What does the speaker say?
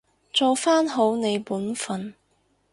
做返好你本分